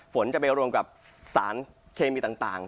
ฝนจะไปรวมกับสารเคมีต่าง